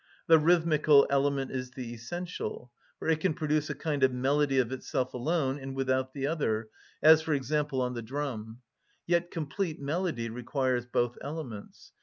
The rhythmical element is the essential; for it can produce a kind of melody of itself alone, and without the other, as, for example, on the drum; yet complete melody requires both elements.